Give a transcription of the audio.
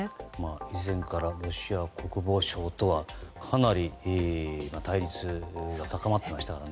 以前からロシア国防省とはかなり対立が深まっていましたから。